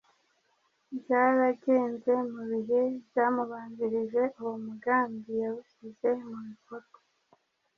byaragenze mu bihe byamubanjirije. Uwo mugambi yawushyize mu bikorwa